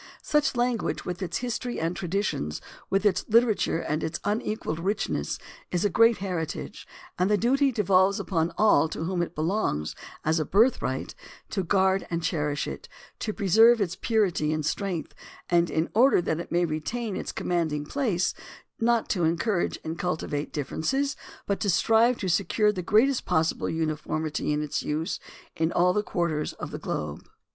Such a language, with its history and traditions, with its Hterature and its unequalled richness, is a great heritage, and the duty devolves upon all to whom it belongs as a birthright to guard and cherish it, to preserve its purity and strength, and in order that it may retain its commanding place not to en courage and cultivate differences, but strive to secure the greatest possible uniformity in its use in all quarters of the globe.